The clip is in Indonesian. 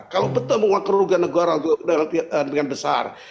kalau betul mengurungkan negara dengan besar